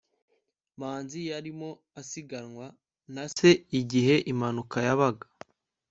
manzi yarimo asiganwa na se igihe impanuka yabaga